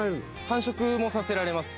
繁殖もさせられます。